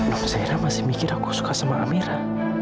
non zaira masih mikir aku suka sama amira